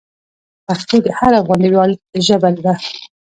پښتو د هر افغان د ویاړ ژبه ده.